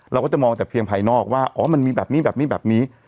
เราก็จะมองแต่เพียงภายนอกว่าอ๋อมันมีแบบนี้แบบนี้แบบนี้